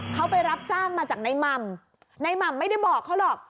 เขาไปรับจ้างมาจากในหม่ำในหม่ำไม่ได้บอกเขาหรอก